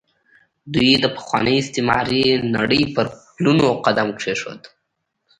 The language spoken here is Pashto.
دوی د پخوانۍ استعماري نړۍ پر پلونو قدم کېښود.